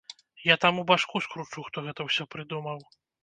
Я таму башку скручу, хто гэта ўсё прыдумаў.